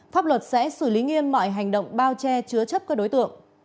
pháp luật sẽ xử lý nghiêm mọi hành động bao che chứa chấp các đối tượng